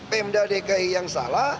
pemprov dki yang salah